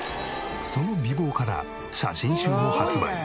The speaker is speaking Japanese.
その美貌から写真集を発売。